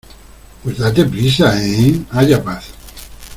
pues date prisa. ¡ eh! haya paz .